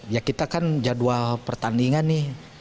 ya kita kan jadwal pertandingan nih